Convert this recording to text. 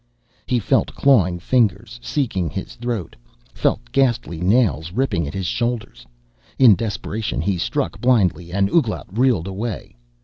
He felt clawing fingers seeking his throat, felt ghastly nails ripping at his shoulders. In desperation he struck blindly, and Ouglat reeled away.